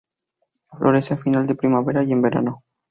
Florece a final de primavera y en verano.